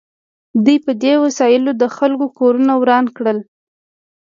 دوی په دې وسایلو د خلکو کورونه وران کړل